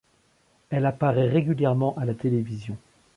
Elle apparaît régulièrement à la télévision.